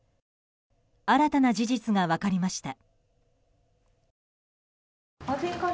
新たな事実が分かりました。